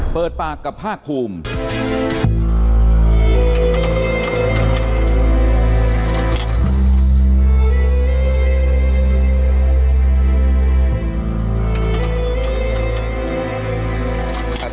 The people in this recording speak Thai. เปิดปากกับภาคภูมิ